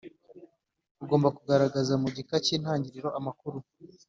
Ugomba kugaragaza mu gika cy’intangiriro amakuru